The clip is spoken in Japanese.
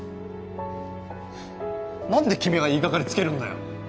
なんで君が言い掛かりつけるんだよ！？